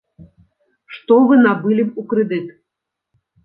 Што вы набылі б у крэдыт?